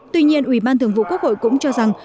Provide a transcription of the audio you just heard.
tuy nhiên ủy ban thường vụ quốc hội cũng cho rằng